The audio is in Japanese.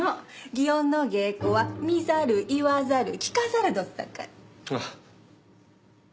祇園の芸妓は見ざる言わざる聞かざるどすさかい。